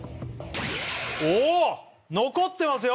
おおっ残ってますよ